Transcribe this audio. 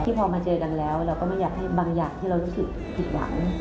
พอมาเจอกันแล้วเราก็ไม่อยากให้บางอย่างที่เรารู้สึกผิดหวัง